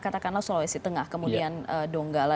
katakanlah sulawesi tengah kemudian donggala